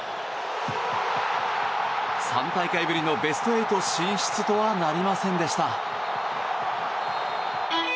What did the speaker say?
３大会ぶりのベスト８進出とはなりませんでした。